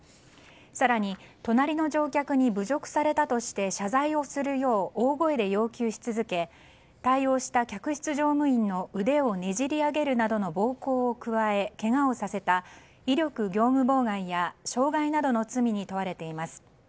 更に隣の乗客に侮辱されたとして謝罪をするよう大声で要求し続け対応した客室乗務員の腕をねじり上げるなどの暴行を加え、けがをさせた威力業務妨害や傷害などの罪に問われています。